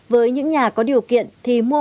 với những nhà có điều kiện thì mua